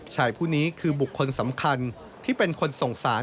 ชายผู้นี้คือบุคคลสำคัญที่เป็นคนส่งสาร